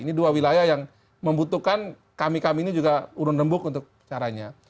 ini dua wilayah yang membutuhkan kami kami ini juga urun rembuk untuk caranya